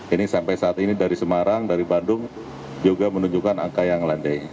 ini sampai saat ini dari semarang dari bandung juga menunjukkan angka yang landai